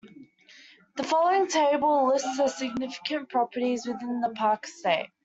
The following table lists the significant properties within the park estate.